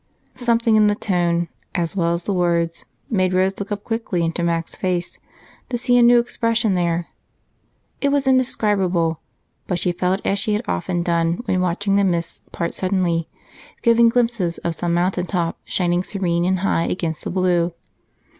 Something in the tone, as well as the words, made Rose look up quickly into Mac's face to see a new expression there. It was indescribable, but she felt as she had often done when watching the mists part suddenly, giving glimpses of some mountaintop, shining serene and high against the blue.